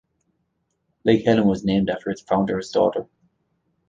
Lake Helen was named after its founder's daughter.